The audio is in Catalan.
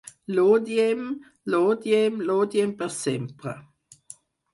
L'odiem, l'odiem, l'odiem per sempre!